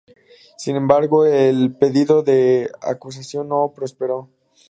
Sin embargo, el pedido de acusación no prosperó.